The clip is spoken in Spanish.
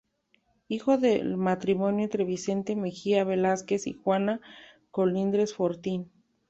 Hijo del matrimonio entre Vicente Mejía Velásquez y Juana Colindres Fortín.